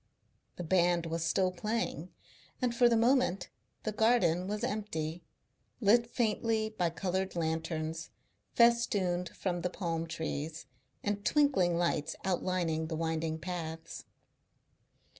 The band was still playing, and for the moment the garden was empty, lit faintly by coloured lanterns, festooned from the palm trees, and twinkling lights outlining the winding paths.